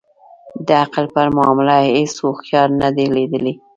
د عقل پر معامله هیڅ اوښیار نه دی لېدلی.